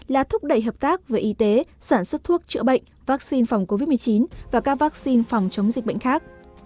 là thúc đẩy hợp tác về y tế sản xuất thuốc chữa bệnh vaccine phòng covid một mươi chín và các vaccine phòng chống dịch bệnh khác